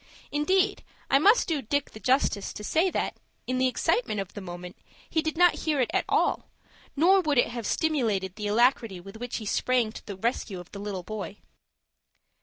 Indeed, I must do Dick the justice to say that, in the excitement of the moment, he did not hear it at all, nor would it have stimulated the alacrity with which he sprang to the rescue of the little boy.